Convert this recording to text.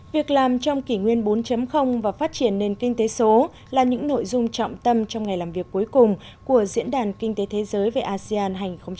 việc làm trong kỷ nguyên bốn và phát triển nền kinh tế số là những nội dung trọng tâm trong ngày làm việc cuối cùng của diễn đàn kinh tế thế giới về asean hai nghìn hai mươi